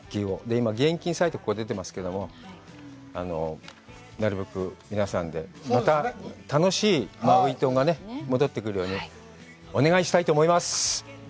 今、義援金サイトここに出てますけど、なるべく皆さんで、また楽しいマウイ島が戻ってくるようにお願いしたいと思います。